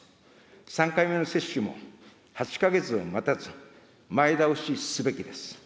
３回目の接種も８か月を待たず、前倒しすべきです。